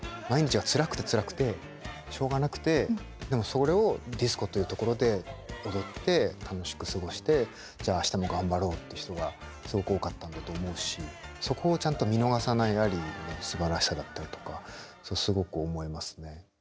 毎日がつらくてつらくてしょうがなくてでもそれをディスコという所で踊って楽しく過ごしてじゃあ明日も頑張ろうっていう人がすごく多かったんだと思うしそこをちゃんと見逃さないアリーのすばらしさだったりとかすごく思いますね。